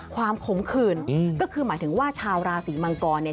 ขมขื่นก็คือหมายถึงว่าชาวราศีมังกรเนี่ย